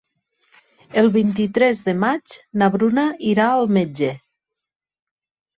El vint-i-tres de maig na Bruna irà al metge.